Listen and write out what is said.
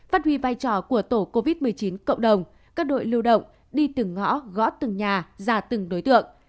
phát huy vai trò của tổ covid một mươi chín cộng đồng các đội lưu động đi từng ngõ gõ từng nhà ra từng đối tượng